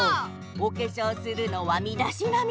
「おけしょうするのはみだしなみ」